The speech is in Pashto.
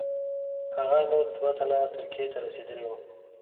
هغه نور دوه تنه ترکیې ته رسېدلي وه.